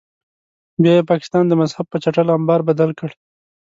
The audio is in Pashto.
بیا یې پاکستان د مذهب په چټل امبار بدل کړ.